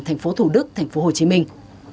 thành phố thủ đức thành phố hồ chí minh